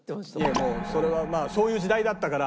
いやもうそれはまあそういう時代だったから。